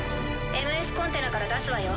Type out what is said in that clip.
ＭＳコンテナから出すわよ。